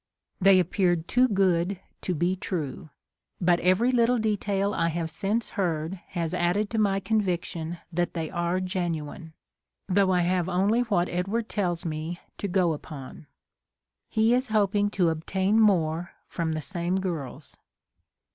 They appeared too good to be true! But every little detail I have since heard has added to my conviction that they are genuine ; though I have only what Edward tells me to go upon. He is hoping to obtain more from the same girls.